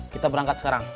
kita berangkat sekarang